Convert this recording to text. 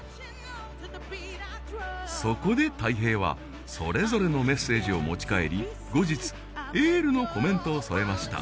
そこでたい平はそれぞれのメッセージを持ち帰り後日エールのコメントを添えました